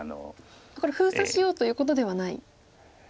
これ封鎖しようということではないんですか。